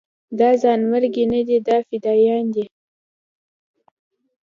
دا ځانمرګي نه دي دا فدايان دي.